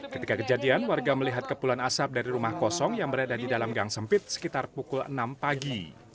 ketika kejadian warga melihat kepulan asap dari rumah kosong yang berada di dalam gang sempit sekitar pukul enam pagi